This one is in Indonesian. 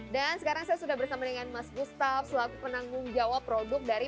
dan sekarang saya sudah bersama dengan mas gustaf selaku penanggung jawab produk dari